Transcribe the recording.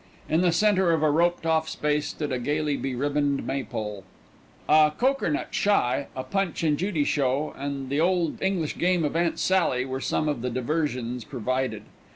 In the centre of a roped off space stood a gaily beribboned maypole. A "cokernut shy," a Punch and Judy Show, and the old English game of Aunt Sally were some of the diversions provided.